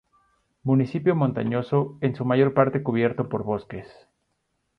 Municipio montañoso en su mayor parte cubierto por bosques.